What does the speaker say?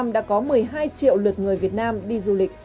đã có một mươi hai triệu lượt người việt nam đi du lịch